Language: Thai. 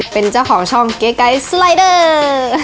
เป็นเจ้าของช่องเกไกด์สไลเดอร์